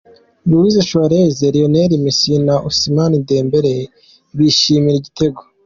Louis Suarez, Lionel Messi na Ousmane Dembele bishimira igitego.